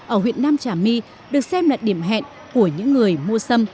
ở huyện nam trà my được xem là điểm hẹn của những người mua sâm